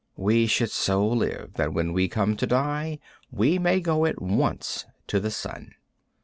We should so live that when we come to die we may go at once to the sun.